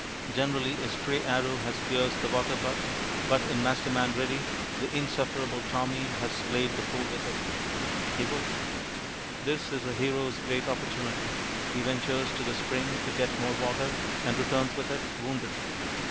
Generally a stray arrow has pierced the water butt, but in Masterman Ready the insufferable Tommy has played the fool with it. (He would.) This is the Hero's great opportunity. He ventures to the spring to get more water, and returns with it wounded.